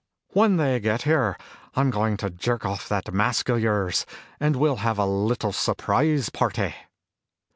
When they get here, I'm going to jerk off that mask of yours and we'll all have a little surprise party."